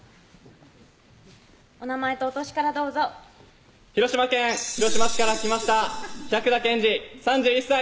お名前とお歳からどうぞ広島県広島市から来ました百田健二３１歳！